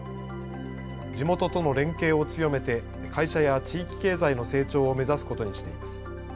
地元との連携を強めて会社や地域経済の成長を目指すことにしています。